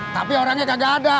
tapi orangnya kagak ada